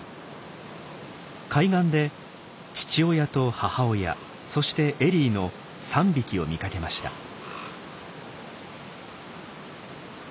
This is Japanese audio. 海岸で父親と母親そしてエリーの３匹を見かけました。